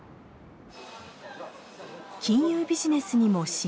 金融ビジネスにも進出。